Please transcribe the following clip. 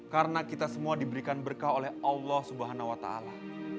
karena kita semua diberikan berkah oleh allah subhanahu wa ta'ala